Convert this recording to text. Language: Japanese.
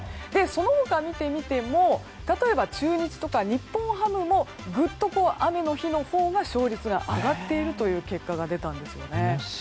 その他、見てみても例えば中日とか日本ハムもぐっと雨の日のほうが勝率が上がっているという結果が出たんですよね。